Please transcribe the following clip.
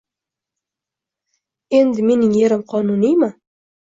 Endi mening yerim qonuniymi?